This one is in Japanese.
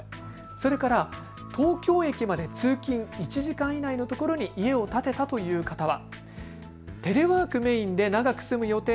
それから東京駅まで通勤１時間以内のところに家を建てたという方は。